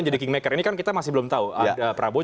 jadi kingmaker ini kan kita masih belum tahu prabowo